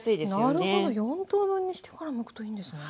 なるほど４等分にしてからむくといいんですね。